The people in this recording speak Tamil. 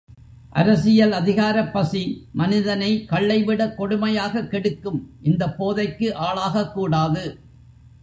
அரசியல் அதிகாரப்பசி, மனிதனை கள்ளை விட கொடுமையாகக் கெடுக்கும், இந்தப் போதைக்கு ஆளாகக்கூடாது.